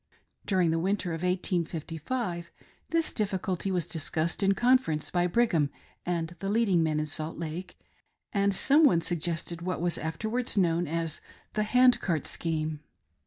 During the winter of 1855, this difficulty was discussed in Conference by Brigham and the leading men in Salt Lake, and some ojie suggested what was afterwards known as the "Hand Cart Scheme."